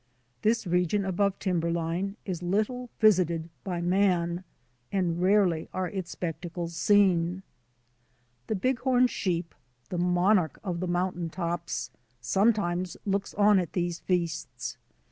This region above timberline is little visited by man, and rarely are its spectacles seen. The Bighorn sheep— the monarch of the moun tain tops — sometimes looks on at these feasts.